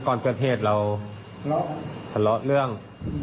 ก่อนเกิดเหตุเราทะเลาะเรื่อง